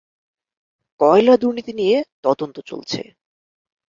কয়লা দুর্নীতি নিয়ে তদন্ত চলছে।